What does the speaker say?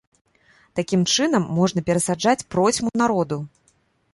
Такім чынам можна перасаджаць процьму народу!